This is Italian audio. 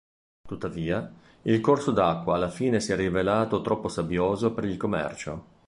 Tuttavia, il corso d'acqua alla fine si è rivelato troppo sabbioso per il commercio.